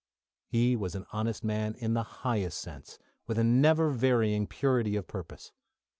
He was an honest man in the highest sense, with a never varying purity of purpose.